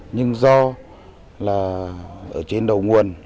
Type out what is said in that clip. nhưng do là ở trên đầu nguồn